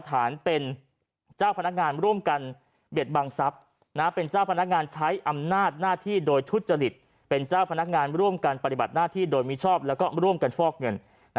ฐานเป็นเจ้าพนักงานร่วมกันเบียดบังทรัพย์เป็นเจ้าพนักงานใช้อำนาจหน้าที่โดยทุจริตเป็นเจ้าพนักงานร่วมกันปฏิบัติหน้าที่โดยมิชอบแล้วก็ร่วมกันฟอกเงิน